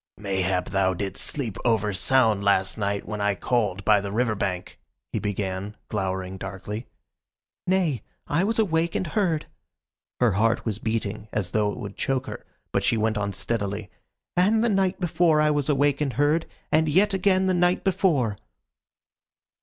"Mayhap thou didst sleep over sound last night when I called by the river bank," he began, glowering darkly. "Nay, I was awake and heard." Her heart was beating as though it would choke her, but she went on steadily, "And the night before I was awake and heard, and yet again the night before."